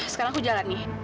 sekarang aku jalan nih